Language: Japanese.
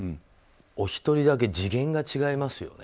お一人だけ次元が違いますよね。